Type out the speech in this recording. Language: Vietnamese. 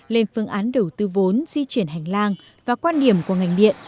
lên phương án đầu tư vốn di chuyển hành lang và quan điểm của ngành điện